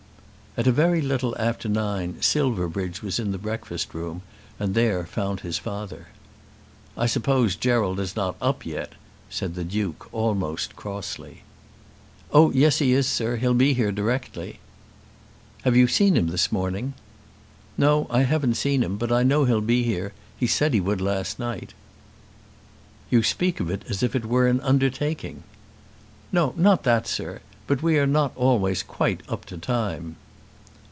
At a very little after nine Silverbridge was in the breakfast room, and there found his father. "I suppose Gerald is not up yet," said the Duke almost crossly. "Oh yes he is, sir. He'll be here directly." "Have you seen him this morning?" "No; I haven't seen him. But I know he'll be here. He said he would, last night." "You speak of it as if it were an undertaking." "No, not that, sir. But we are not always quite up to time."